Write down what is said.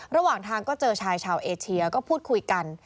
ระหว่างทางก็เจอชายชาวเอเชียก็พูดคุยกัน